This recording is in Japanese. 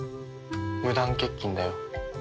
無断欠勤だよ